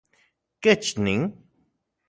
¿Kech nin?